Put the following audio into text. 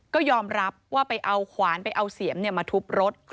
ก็ยอมรับว่าไปเอาขวานไปเอาเสียมมาทุบรถ